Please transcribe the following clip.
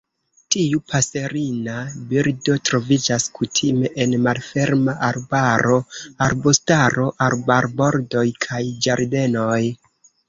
Tiu paserina birdo troviĝas kutime en malferma arbaro, arbustaro, arbarbordoj kaj ĝardenoj.